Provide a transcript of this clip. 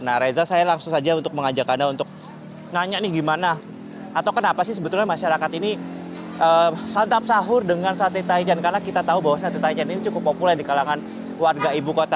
nah reza saya langsung saja untuk mengajak anda untuk nanya nih gimana atau kenapa sih sebetulnya masyarakat ini santap sahur dengan sate taichan karena kita tahu bahwa sate taichan ini cukup populer di kalangan warga ibu kota